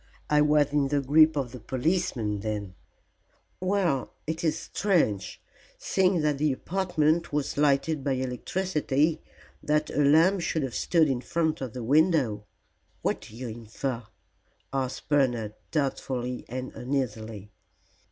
I was in the grip of the policeman then," said Gore. "Well, it is strange, seeing that the apartment was lighted by electricity, that a lamp should have stood in front of the window." "What do you infer?" asked Bernard, doubtfully and uneasily.